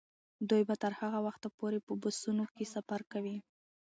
دوی به تر هغه وخته پورې په بسونو کې سفر کوي.